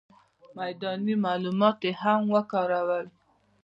میداني معلومات یې هم وکارول.